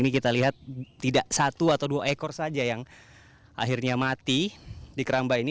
ini kita lihat tidak satu atau dua ekor saja yang akhirnya mati di keramba ini